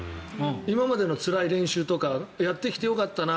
今までのつらい練習とかやってきてよかったな。